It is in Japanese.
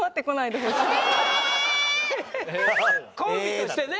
コンビとしてね。